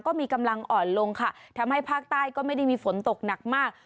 ก็มีกำลังอ่อนลงค่ะทำให้ภาคใต้ก็ไม่ได้มีฝนตกหนักมาก